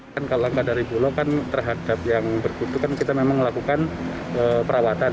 kalau langkah dari bulog terhadap yang berkutu kita memang melakukan perawatan